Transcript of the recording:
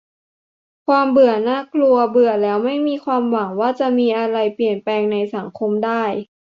"ความเบื่อน่ากลัว เบื่อแล้วไม่มีความหวังว่าจะมีอะไรเปลี่ยนแปลงในสังคมได้"